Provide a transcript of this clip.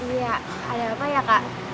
iya ada apa ya kak